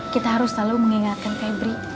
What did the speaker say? kita harus selalu mengingatkan febri